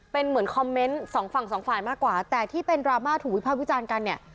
เป็นเหมือนคอมเมนต์สองฝั่งสองฝ่ายมากกว่าแต่ที่เป็นดราม่าถูกวิภาควิจารณ์กันเนี่ย